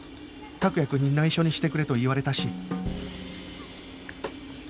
託也くんに内緒にしてくれと言われたし